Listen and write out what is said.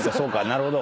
なるほど。